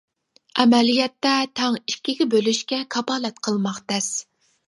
ئەمەلىيەتتە تەڭ ئىككىگە بۆلۈشكە كاپالەت قىلماق تەس.